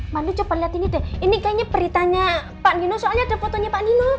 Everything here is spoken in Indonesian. mandu coba lihat ini deh ini kayaknya beritanya pak nino soalnya ada fotonya pak nino